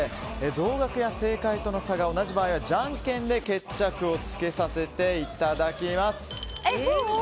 同額や正解との差が同じ場合はじゃんけんで決着をつけさせていただきます。